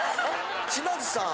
島津さん。